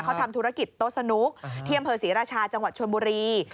เขาทำธุรกิจโต๊ะสนุกที่อำเภอศรีราชาจังหวัดชนบุรี